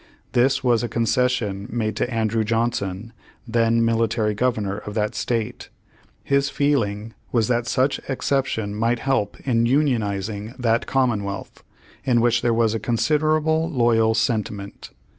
This was a concession made to Andrew Johnson, then mili tary governor of that state. His feeling was that such exception might help in "unionizing" that commonwealth, in which there was a considerable loyal sentiment.